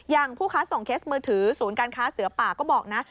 ผู้ค้าส่งเคสมือถือศูนย์การค้าเสือป่าก็บอกนะ